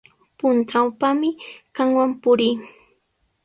Puntrawpami qamwan purii.